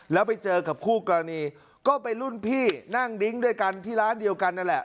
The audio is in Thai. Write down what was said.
แล้วไปเจอกับคู่กรณีก็เป็นรุ่นพี่นั่งดิ้งด้วยกันที่ร้านเดียวกันนั่นแหละ